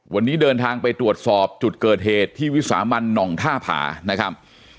วันนี้เดินทางไปตรวจสอบจุดเกิดเหตุที่วิสามันหน่องท่าผานะครับ